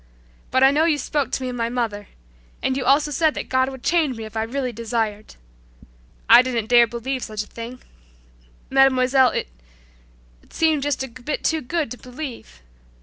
But I know you spoke to me of my mother and you also said that God would change me if I really desired. I didn't dare believe such a thing, Mademoiselle it seemed just a bit too good to believe.